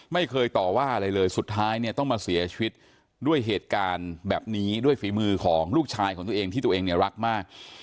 ไม่เคยต่อว่าอะไรเลยสุดท้ายเนี่ยต้องมาเสียชีวิตด้วยเหตุการณ์แบบนี้ด้วยฝีมือของลูกชายของตัวเองที่ตัวเองเนี่ยรักมาก